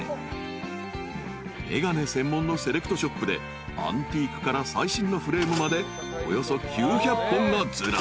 ［眼鏡専門のセレクトショップでアンティークから最新のフレームまでおよそ９００本がずらりと並ぶ］